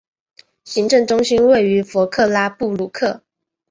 行政中心位于弗克拉布鲁克。